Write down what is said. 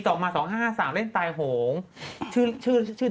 เป็นการกระตุ้นการไหลเวียนของเลือด